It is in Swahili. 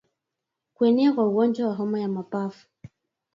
Kuenea kwa ugonjwa wa homa ya mapafu